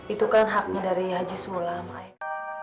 itu kan haknya dari jisulang